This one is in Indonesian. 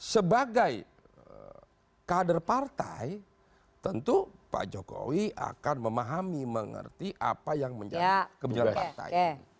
sebagai kader partai tentu pak jokowi akan memahami mengerti apa yang menjadi kebijakan partai